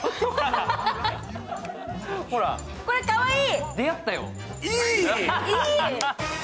これ、かわいい。